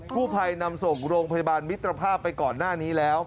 ผู้ภัยนำส่งโรงพยาบาลมิตรภาพไปก่อนหน้านี้แล้ว